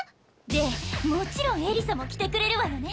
でもちろんエリサも着てくれるわよね？